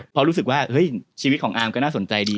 เพราะรู้สึกว่าเฮ้ยชีวิตของอาร์มก็น่าสนใจดี